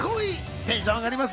テンション上がります！